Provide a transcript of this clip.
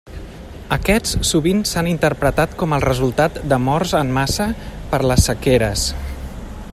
Aquests sovint s'han interpretat com el resultat de morts en massa per les sequeres.